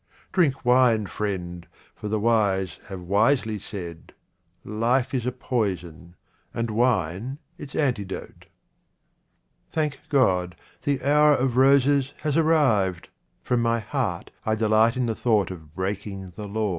Drink wine, friend, for the wise have wisely said, " Life is a poison, and wine its antidote." 4 QUATRAINS OF OMAR KHAYYAM Thank God, the hour of roses has arrived. From my heart I delight in the thought of breaking the law.